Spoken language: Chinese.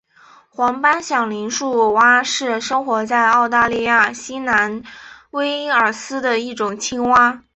黄斑响铃树蛙是生活在澳大利亚新南威尔斯的一种青蛙。